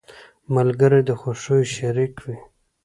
ملګري د خوښیو شريک وي.